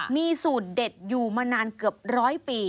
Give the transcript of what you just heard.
มีสูตรเด็ดอยู่มานานเกือบร้อยปี